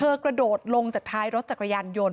เธอกระโดดลงมึสต์ท้ายรถจากรยานยนต์